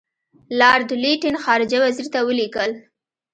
لارډ لیټن خارجه وزیر ته ولیکل.